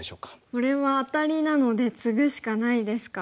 これはアタリなのでツグしかないですか。